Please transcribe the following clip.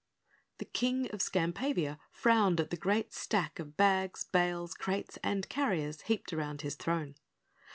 The King of Skampavia frowned at the great stack of bags, bales, crates and carriers heaped around his throne.